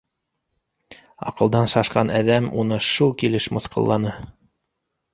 Аҡылдан шашҡан әҙәм уны шул килеш мыҫҡылланы